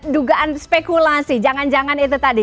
dugaan spekulasi jangan jangan itu tadi